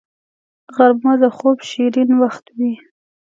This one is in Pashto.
غرمه د خوب شیرین وخت وي